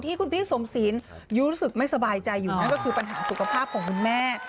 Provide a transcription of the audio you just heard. ที่คุณพี่สมศีลรู้สึกไม่สบายใจอยู่นั่นก็คือปัญหาสุขภาพของคุณแม่